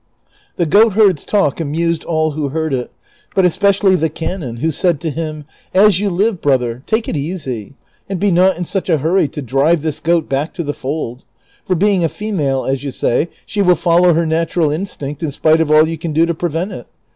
" The goatherd's talk amused all who heard it, but especially the canon, who said to him, " As you live, brother, take it easy, and be not in such a hurry to drive this goat back to the fold ; for, being a female, as you say, she will follow her natural instinct in spite of all you can do to prevent it.